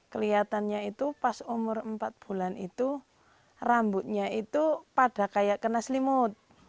kelihatannya itu pas umur empat bulan itu rambutnya itu pada kayak kena selimut